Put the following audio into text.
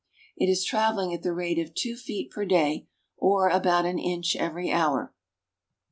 It is traveling at the rate of two feet per day, or about an inch every hour.